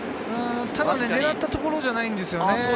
ただ狙ったところじゃないんですよね。